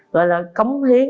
gọi là cấm hiến